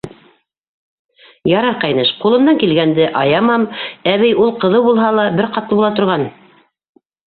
— Ярар, ҡәйнеш, ҡулымдан килгәнде аямам, әбей, ул ҡыҙыу булһа ла, бер ҡатлы була торған.